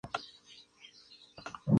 Se halla en Bolivia, Colombia, Ecuador, Perú.